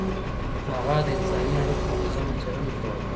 هغه د انساني اړيکو منظمه څېړنه کوله.